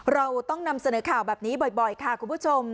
เราต้องนำเสนอข่าวแบบนี้บ่อยค่ะคุณผู้ชม